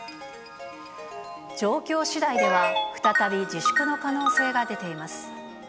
状況次第では、再び自粛の可能性が出ています。